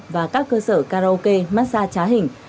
và các cơ sở karaoke massage trá hình